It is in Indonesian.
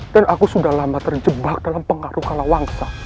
dan aku sudah lama terjebak dalam pengaruh kala wangsa